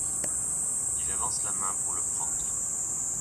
Il avance la main pour le prendre.